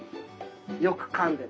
よくかんで。